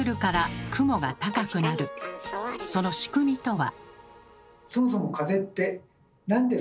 その仕組みとは？